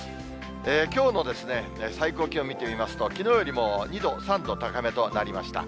きょうの最高気温見てみますと、きのうよりも２度、３度、高めとなりました。